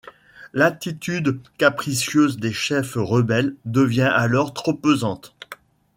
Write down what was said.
L'attitude capricieuse des chefs rebelles devient alors trop pesante.